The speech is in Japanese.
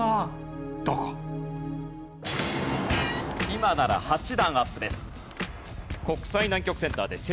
今なら８段アップです。